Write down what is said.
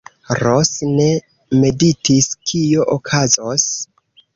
Ros ne meditis, kio okazos.